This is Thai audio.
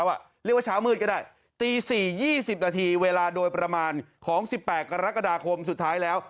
เรียกว่าเช้ามืดก็ได้ตี๔๒๐นาทีเวลาโดยประมาณของ๑๘กรกฎาคมสุดท้ายแล้ว